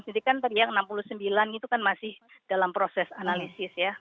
jadi kan tadi yang enam puluh sembilan itu kan masih dalam proses analisis ya